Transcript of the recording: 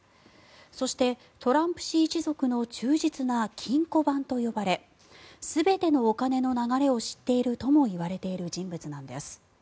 そして、トランプ氏一族の忠実な金庫番と呼ばれ全てのお金の流れを知っているともいわれている人物なんです。